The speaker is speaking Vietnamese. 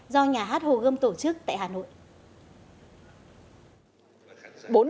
do nhà hát hồ gươm tổ chức tại hà nội